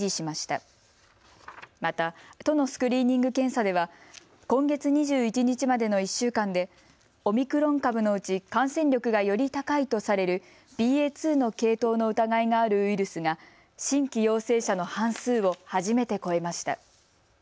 また、都のスクリーニング検査では今月２１日までの１週間でオミクロン株のうち感染力がより高いとされるＢＡ．２の系統の疑いがあるウイルスが新規陽性者の半数を初めて超えました。